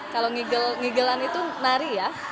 kalau ngigel ngigelan itu nari ya